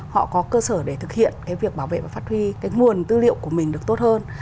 họ có cơ sở để thực hiện cái việc bảo vệ và phát huy cái nguồn tư liệu của mình được tốt hơn